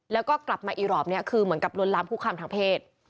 แล้วก็กลับมาอีรอบนี้คือเหมือนกับลวนลามคุกคามทางเพศ